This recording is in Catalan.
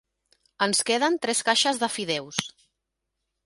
Ens queden tres caixes de fideus.